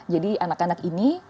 jadi anak anak ini